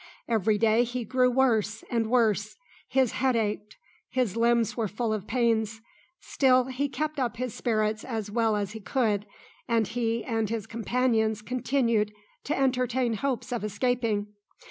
Every day he grew worse and worse. His head ached, his limbs were full of pains, still he kept up his spirits as well as he could, and he and his companions continued to entertain hopes of escaping.